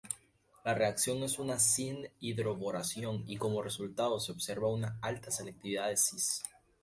La reacción es una syn-hidroboración, y como resultado se observa una alta selectividad cis.